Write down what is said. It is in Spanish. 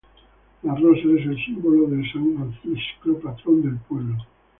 La rosa es el símbolo de san Acisclo, patrón del pueblo.